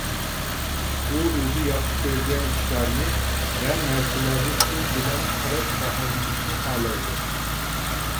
ئۇ ئۆزى ياخشى كۆرگەن ئىشلارنى ۋە نەرسىلەرنى سىز بىلەن تەرەپ بەھرىلىنىشنى خالايدۇ.